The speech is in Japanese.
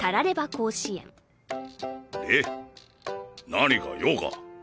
何か用か。